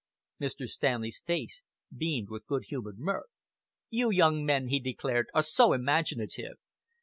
Mr. Stanley's face beamed with good humored mirth. "You young men," he declared, "are so imaginative.